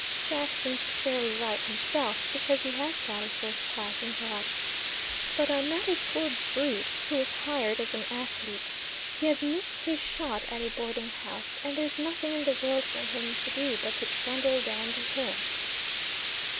Jackson's fairly right himself, because he has got a first class intellect. But I met a poor brute who was hired as an athlete. He has missed his shot at a boarding house, and there's nothing in the world for him to do but to trundle down the hill."